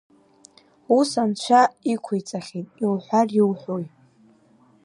Ус Анцәа иқәиҵахьеит, иуҳәар иуҳәои…